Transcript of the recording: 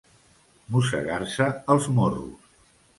Mossegar-se els morros.